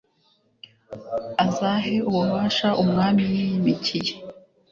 azahe ububasha umwami yiyimikiye